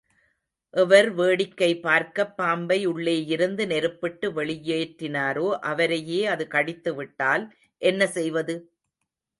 எவர் வேடிக்கை பார்க்கப் பாம்பை உள்ளேயிருந்து நெருப்பிட்டு வெளியேற்றினாரோ அவரையே அது கடித்துவிட்டால் என் செய்வது?